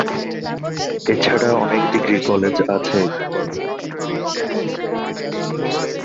এছাড়া অনেক degree college আছে এখানে।